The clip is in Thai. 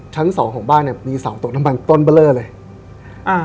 ชั้นสองของบ้านเนี้ยมีเสาตกน้ำมันต้นเบอร์เลอร์เลยอ่า